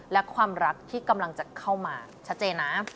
และความรักที่กำลังจะเข้ามาชัดเจนนะ